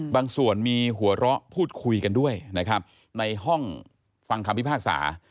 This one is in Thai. บางส่วนมีหัวเราะพูดคุยกันด้วยนะครับในห้องฟังคำพิพากษา